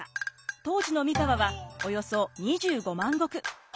当時の三河はおよそ２５万石。